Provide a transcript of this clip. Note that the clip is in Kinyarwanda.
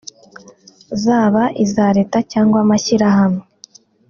zaba iza Leta cyangwa amashyirahamwe